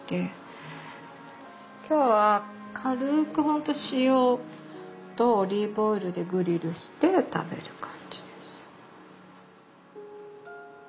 今日は軽くほんと塩とオリーブオイルでグリルして食べる感じです。